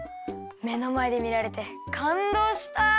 めのまえでみられてかんどうした。